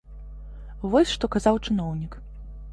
Вось што казаў чыноўнік.